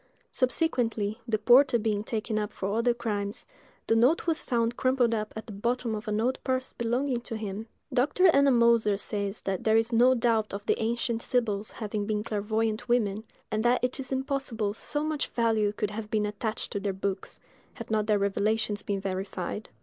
Subsequently, the porter being taken up for other crimes, the note was found crumpled up at the bottom of an old purse belonging to him. Dr. Ennemoser says that there is no doubt of the ancient Sibyls having been clairvoyant women, and that it is impossible so much value could have been attached to their books, had not their revelations been verified.